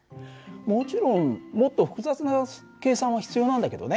もちろんもっと複雑な計算は必要なんだけどね。